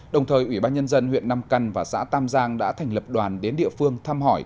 đồng thời ủy ban nhân dân huyện nam căn và xã tam giang đã thành lập đoàn đến địa phương thăm hỏi